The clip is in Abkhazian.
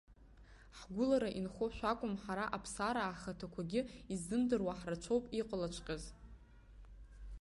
Ҳгәылара инхо шәакәым, ҳара, аԥсараа ҳхаҭақәагьы, иззымдыруа ҳрацәаҩуп иҟалаҵәҟьаз.